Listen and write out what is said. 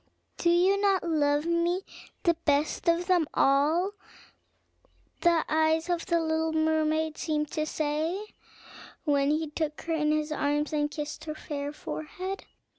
"Do you not love me the best of them all?" the eyes of the little mermaid seemed to say, when he took her in his arms, and kissed her fair forehead.